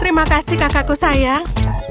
terima kasih kakakku sayang